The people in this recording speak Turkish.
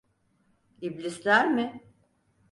İblisler mi?